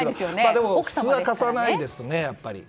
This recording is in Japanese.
でもまあ、普通は貸さないですね。